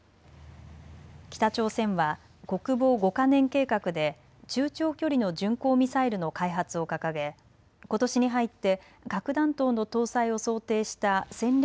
北朝鮮は国防５か年計画で中長距離の巡航ミサイルの開発を掲げ、ことしに入って核弾頭の搭載を想定した戦略